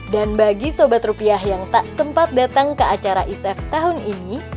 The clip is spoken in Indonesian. dan bagi sobat rupiah yang tak sempat datang ke acara isaf tahun ini